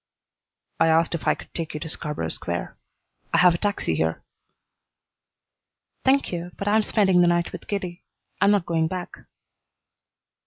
"I asked if I could take you to Scarborough Square. I have a taxi here." "Thank you, but I am spending the night with Kitty. I am not going back."